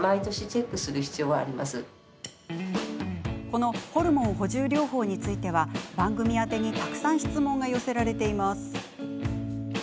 このホルモン補充療法については番組宛に、たくさん質問が寄せられています。